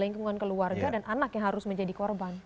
lingkungan keluarga dan anak yang harus menjadi korban